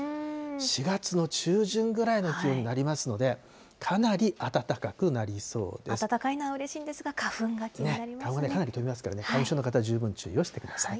４月の中旬ぐらいの気温になりますので、かなり暖かくなりそうで暖かいのはうれしいんですが、花粉ね、かなり飛びますから、花粉症の方、十分注意をしてください。